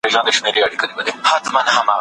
دوی سياست د پېچلي کار په توګه وپېژند.